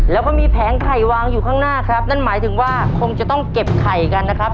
แล้วก็มีแผงไข่วางอยู่ข้างหน้าครับนั่นหมายถึงว่าคงจะต้องเก็บไข่กันนะครับ